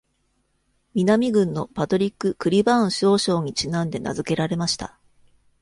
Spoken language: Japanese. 南軍のパトリック・クリバーン少将にちなんで名付けられました。